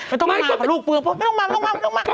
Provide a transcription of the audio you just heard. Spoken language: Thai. ไม่ต้องมาก่อนลูกไปเพราะไม่ต้องมา